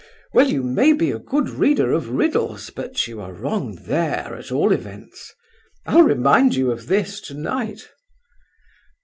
"H'm! Well, you may be a good reader of riddles but you are wrong there, at all events. I'll remind you of this, tonight."